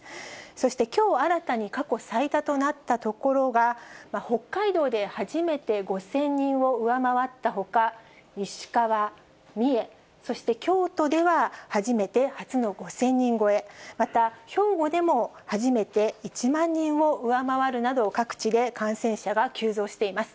そしてきょう新たに過去最多となった所が、北海道で初めて５０００人を上回ったほか、石川、三重、そして京都では、初めて初の５０００人超え、また兵庫でも初めて１万人を上回るなど、各地で感染者が急増しています。